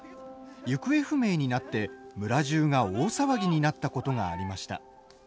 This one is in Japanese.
行方不明になって村中が大騒ぎになったことがありました。